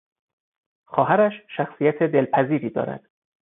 خواهرش شخصیت دلپذیری دارد.